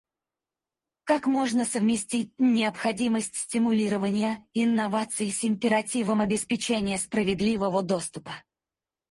Как можно совместить необходимость стимулирования инноваций с императивом обеспечения справедливого доступа?